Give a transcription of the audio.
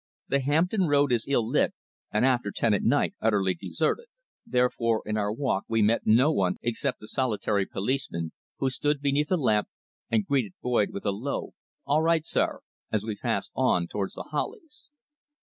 The Hampton Road is ill lit, and after ten at night utterly deserted, therefore in our walk we met no one except the solitary policeman, who stood beneath a lamp and greeted Boyd with a low "All right, sir," as we passed on towards The Hollies.